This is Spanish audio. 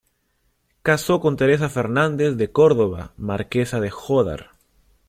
Casó con Teresa Fernández de Córdoba, marquesa de Jódar.